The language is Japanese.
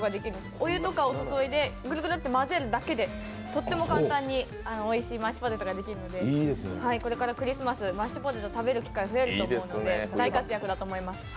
お湯とか注いでぐるぐるって混ぜるだけでとっても簡単にとっても簡単においしいマッシュポテトができるので、これからクリスマスとかマッシュポテトを食べる機会が増えると思いますので大活躍だと思います。